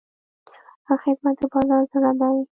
ښه خدمت د بازار زړه دی.